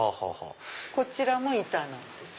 こちらも板なんです。